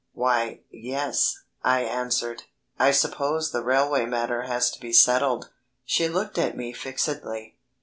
"Why, yes," I answered; "I suppose the railway matter has to be settled." She looked at me fixedly.